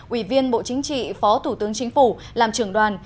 ủy viên bộ chính trị phó thủ tướng chính phủ làm trưởng đoàn